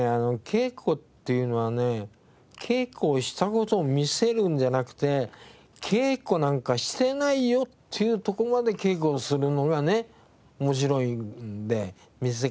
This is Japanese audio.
稽古っていうのはね稽古をした事を見せるんじゃなくて稽古なんかしてないよっていうとこまで稽古をするのがね面白いので見せ方として。